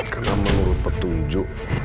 karena menurut petunjuk